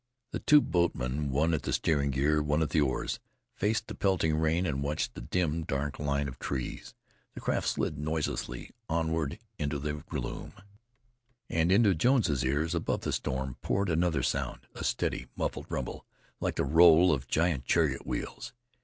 The two boat men, one at the steering gear, one at the oars, faced the pelting rain and watched the dim, dark line of trees. The craft slid noiselessly onward into the gloom. And into Jones's ears, above the storm, poured another sound, a steady, muffled rumble, like the roll of giant chariot wheels.